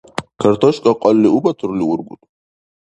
Картошка кьалли убатурли ургуд?